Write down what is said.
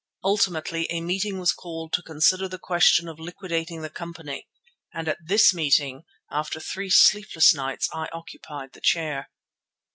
Ultimately a meeting was called to consider the question of liquidating the company, and at this meeting, after three sleepless nights, I occupied the chair.